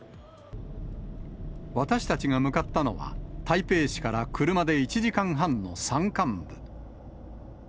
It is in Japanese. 私たちが向かったのは、台北市から車で１時間半の山間部。